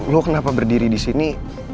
lo kenapa berdiri disini